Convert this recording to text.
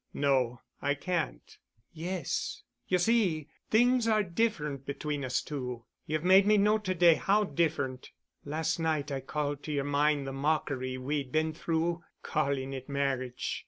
"No. I can't." "Yes. You see, things are different with us two. You've made me know to day how different. Last night I called to your mind the mockery we'd been through, calling it marriage.